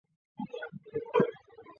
东魏武定七年复为东豫州。